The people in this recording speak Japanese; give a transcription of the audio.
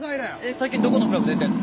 最近どこのクラブ出てんの？